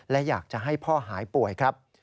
และอยากจะให้พ่อหายป่วยครับ